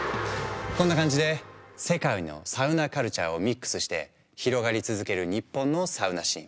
こんな感じで世界のサウナカルチャーをミックスして広がり続ける日本のサウナシーン。